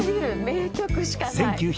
名曲しかない！」